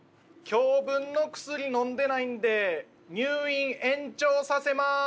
「今日分の薬飲んでないんで入院延長させまーす！」